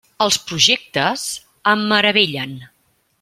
Els projectes em meravellen.